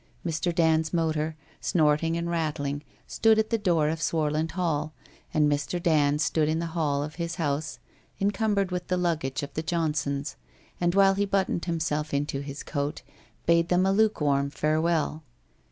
Mr. Dand's motor, snorting and rattling, stood at the door of Swarland Hall, and Mr. Dand stood in the hall of his house, encumbered with the luggage of the John sons, and while he buttoned himself into his coat, bade them a lukewarm farewell.